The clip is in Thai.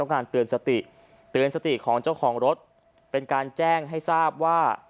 การเตือนสติเตือนสติของเจ้าของรถเป็นการแจ้งให้ทราบว่า